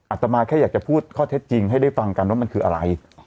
อาจจะมาแค่อยากจะพูดข้อเท็จจริงให้ได้ฟังกันว่ามันคืออะไร